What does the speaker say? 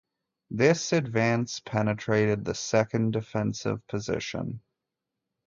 This advance penetrated the second defensive position.